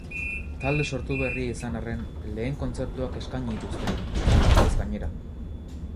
Talde sortu berria izan arren, lehen kontzertuak eskaini dituzte, arrakastaz gainera.